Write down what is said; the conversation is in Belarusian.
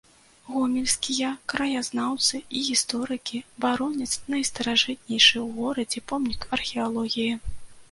Гомельскія краязнаўцы і гісторыкі бароняць найстаражытнейшы ў горадзе помнік археалогіі.